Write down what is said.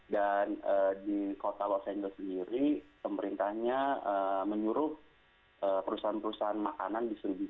dan di kota los angeles sendiri pemerintahnya menyuruh perusahaan perusahaan makanan